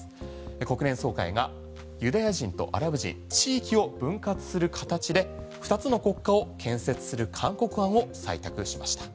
国連総会がユダヤ人とアラブ人地域を分割する形で２つの国家を建設する勧告案を採択しました。